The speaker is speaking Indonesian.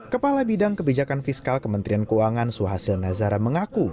kepala bidang kebijakan fiskal kementerian keuangan suhasil nazara mengaku